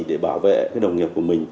để bảo vệ cái đồng nghiệp của mình